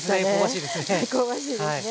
ですね香ばしいですね。